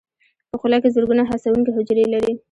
په خوله کې زرګونه حسونکي حجرې لري.